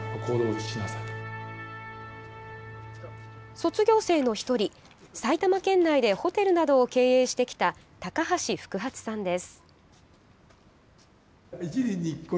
卒業生の１人埼玉県内でホテルなどを経営してきた、高橋福八さんです。